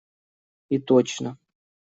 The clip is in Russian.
И точно.